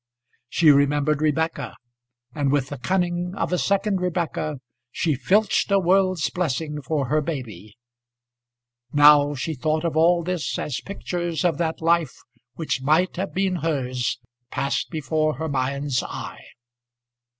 She remembered Rebekah, and with the cunning of a second Rebekah she filched a world's blessing for her baby. Now she thought of all this as pictures of that life which might have been hers passed before her mind's eye.